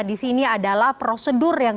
disini adalah prosedur yang